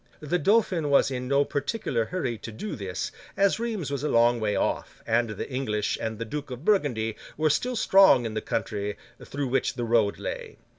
The Dauphin was in no particular hurry to do this, as Rheims was a long way off, and the English and the Duke of Burgundy were still strong in the country through which the road lay.